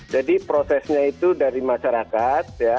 jadi prosesnya itu dari masyarakat ya